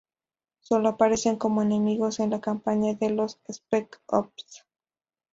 Sólo aparecen como enemigos en la campaña de los Spec Ops.